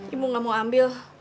ibu gak mau ambil